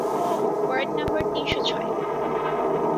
Word number তিন শ ছয়।